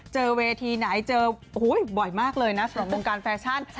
เจอเวทีไหนเจอบ่อยมากเลยนะสำหรับวงการแฟชั่น